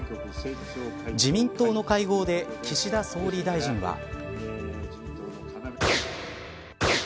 自民党の会合で岸田総理大臣は。